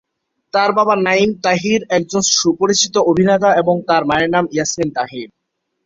তার বাবা নাঈম তাহির একজন সুপরিচিত অভিনেতা এবং তার মায়ের নাম ইয়াসমিন তাহির।